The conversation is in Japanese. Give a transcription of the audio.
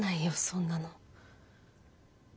そんなの。